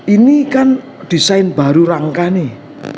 ini kan desain baru rangka nih